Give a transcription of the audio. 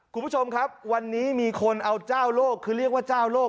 คุณผู้ชมครับวันนี้มีคนเอาเจ้าโลกคือเรียกว่าเจ้าโลก